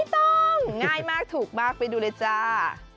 ต้องง่ายมากถูกมากไปดูเลยจ้า